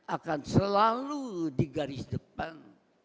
akan selalu di garis depan